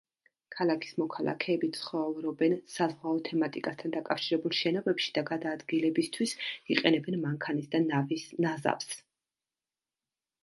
ქალაქის მოქალაქეები ცხოვრობენ საზღვაო თემატიკასთან დაკავშირებულ შენობებში და გადაადგილებისთვის იყენებენ მანქანის და ნავის ნაზავს.